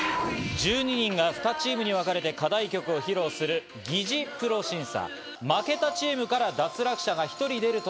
１２人が２チームにわかれて課題曲を披露する擬似プロ審査。